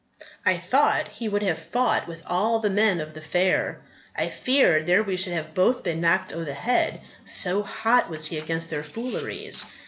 "I thought he would have fought with all the men of the fair; I feared there we should have both been knock'd o' th' head, so hot was he against their fooleries."